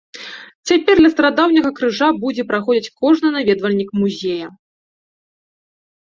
Цяпер ля старадаўняга крыжа будзе праходзіць кожны наведвальнік музея.